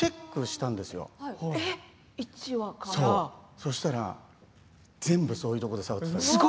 そしたら全部そういうところで触っていたの。